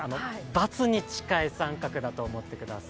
×に近い△だと思ってください。